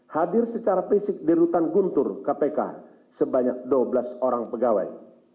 hadir secara fisik di rutan guntur kpk sebanyak dua belas orang pegawai